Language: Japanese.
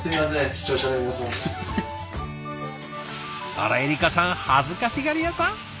あらエリカさん恥ずかしがり屋さん？